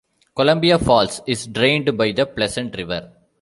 Columbia Falls is drained by the Pleasant River.